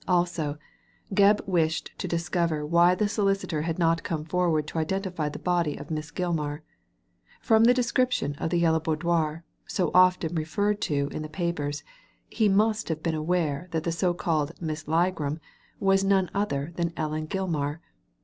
Also, Gebb wished to discover why the solicitor had not come forward to identify the body of Miss Gilmar. From the descrip tion of the Yellow Boudoir, so often referred to in the papers, he must have been aware that the so called Miss Ligram was none other than Ellen Gilmar.